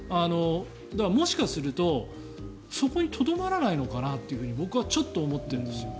もしかするとそこにとどまらないのかなというふうに僕はちょっと思っているんですよね。